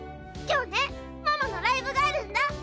今日ねママのライブがあるんだ。